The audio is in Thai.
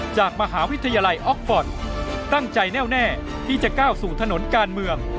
จากมหาวิทยาลัยออกฟอร์ตตั้งใจแน่วแน่ที่จะก้าวสู่ถนนการเมือง